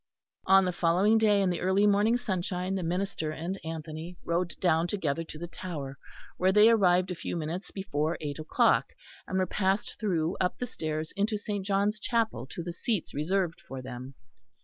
On the following day in the early morning sunshine the minister and Anthony rode down together to the Tower, where they arrived a few minutes before eight o'clock, and were passed through up the stairs into St. John's chapel to the seats reserved for them.